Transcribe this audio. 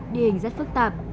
địa hình rất phức tạp